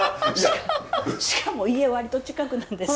しかも家割と近くなんですよ。